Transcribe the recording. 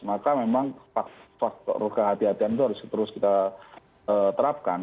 maka memang faktor kehatian kehatian itu harus terus kita terapkan